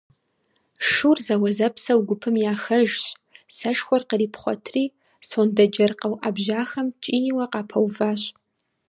Шур зэуэзэпсэу гупым яхэжщ, сэшхуэр кърипхъуэтри, сондэджэр къэуӀэбжьахэм кӀийуэ къапэуващ.